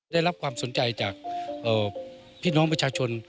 ได้รับความสนใจจากพี่น้องประชาชน